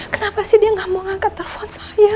kenapa sih dia nggak mau angkat telfon saya